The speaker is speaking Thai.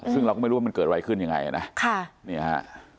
ซึ่งเราก็ไม่รู้ว่ามันเกิดอะไรขึ้นยังไงนะค่ะเนี่ยฮะ